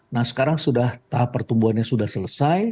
nah sekarang sudah tahap pertumbuhannya sudah selesai